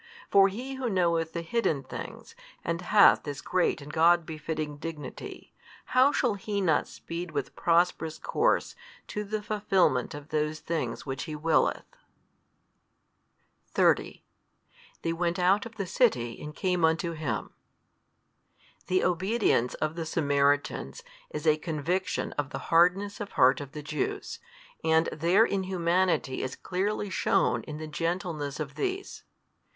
For He Who knoweth the hidden things, and hath this great and God befitting dignity, how shall He not speed with prosperous course to the fulfilment of those things which He willeth? 30 They went out of the city, and came unto Him. The obedience of the Samaritans is a conviction of the hardness of heart of the Jews, and their inhumanity is clearly shewn in the gentleness of these.